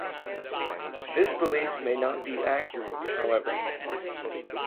This belief may not be accurate, however.